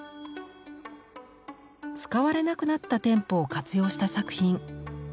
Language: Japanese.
使われなくなった店舗を活用した作品。